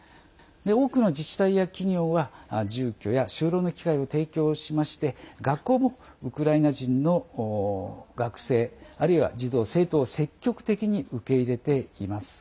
多くの自治体や企業は住居や就労の機会を提供しまして学校もウクライナ人の学生あるいは児童生徒を積極的に受け入れています。